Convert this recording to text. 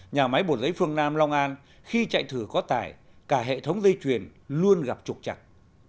nhà máy bổ giấy phương nam long an khi chạy thử có tài cả hệ thống dây chuyền luôn gặp trạng